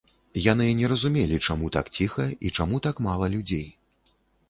Яны не разумелі, чаму так ціха і чаму так мала людзей.